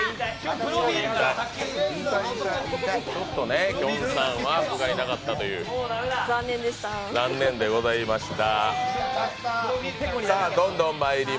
ちょっとね、きょんさんはふがいなかったという、残念でございました。